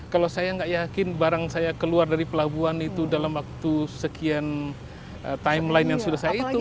kalau saya nggak yakin barang saya keluar dari pelabuhan itu dalam waktu sekian timeline yang sudah saya hitung